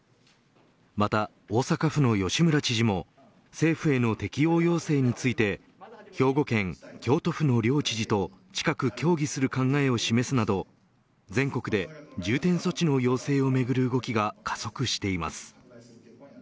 また、大阪府の吉村知事も政府への適用要請について兵庫県、京都府の両知事と近く協議する考えを示すなど全国で重点措置の要請をめぐる動きが加速しています。